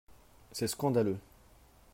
C’est scandaleux